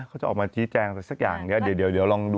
เขาจะออกมาชี้แจงสักอย่างนี้เดี๋ยวเดี๋ยวลองดู